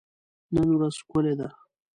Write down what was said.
نن ورځ ښکلي ده.